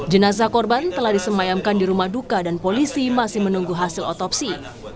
jenazah korban telah disemayamkan di rumah duka dan polisi masih menunggu hasil otopsi